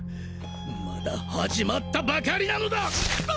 まだ始まったばかりなのだっ！